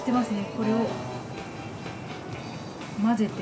これをまぜて。